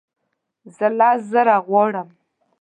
زه لس زره غواړم